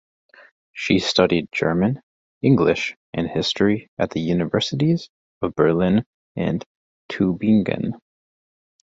She studied German, English and History at the Universities of Berlin and Tübingen.